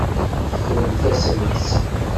Teffremt-asent-tt.